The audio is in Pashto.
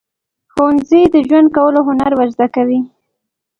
ښوونځی د ژوند کولو هنر ورزده کوي.